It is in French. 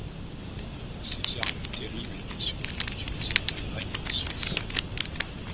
Ces armes terribles étaient surtout utilisées en Allemagne et en Suisse.